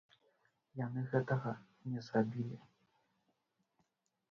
Яны гэтага не зрабілі.